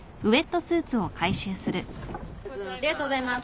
ありがとうございます。